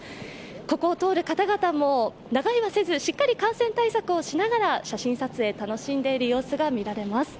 ここを通る方々も長居はせずしっかり感染対策をしながら、写真撮影楽しんでいる様子が見られます。